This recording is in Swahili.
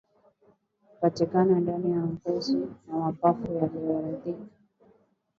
kupatikana ndani ya ngozi na mapafu yaliyoathirika